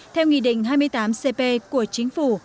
theo nghị định hai mươi tám cp của chính phủ